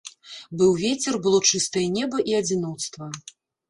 Быў вецер, было чыстае неба і адзіноцтва.